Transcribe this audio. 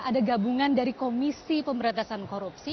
ada gabungan dari komisi pemberantasan korupsi